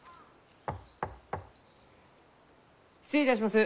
失礼いたします。